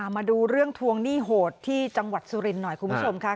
มาดูเรื่องทวงหนี้โหดที่จังหวัดสุรินทร์หน่อยคุณผู้ชมค่ะ